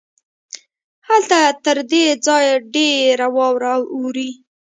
هلته تر دې ځای ډېره واوره اوري.